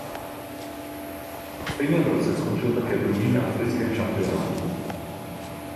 Ve stejném roce skončil také druhý na africkém šampionátu.